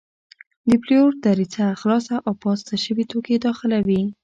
د پلیور دریڅه خلاصه او پاسته شوي توکي داخلوي.